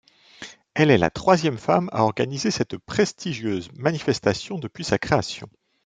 Elle est la troisième femme à organiser cette prestigieuse manifestation depuis sa création.